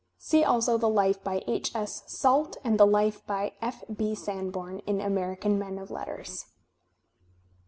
See also the Life by H. S. Salt, and the Life by F. B. Sanborn in American Men of Letters.